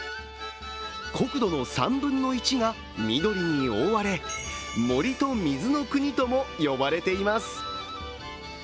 国土の３分の１が緑に覆われ森と水の国とも呼ばれています。